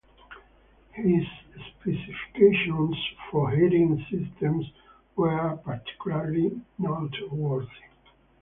His specifications for heating systems were particularly noteworthy.